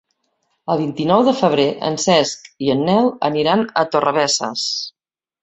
El vint-i-nou de febrer en Cesc i en Nel aniran a Torrebesses.